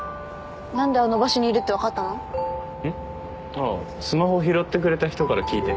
ああスマホ拾ってくれた人から聞いて。